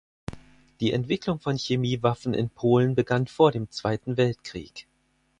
Die Entwicklung von Chemiewaffen in Polen begann vor dem Zweiten Weltkrieg.